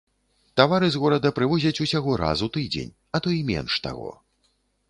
Тавары з горада прывозяць усяго раз у тыдзень, а то й менш таго.